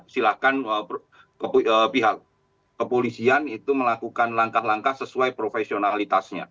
silahkan pihak kepolisian itu melakukan langkah langkah sesuai profesionalitasnya